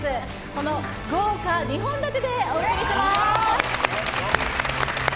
この豪華２本立てでお送りします。